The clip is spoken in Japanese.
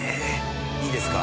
いいですか。